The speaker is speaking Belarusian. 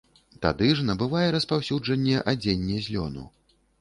Тады ж набывае распаўсюджанне адзенне з лёну.